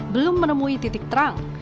belum menemui titik terang